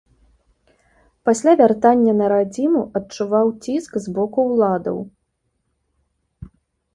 Пасля вяртання на радзіму адчуваў ціск з боку ўладаў.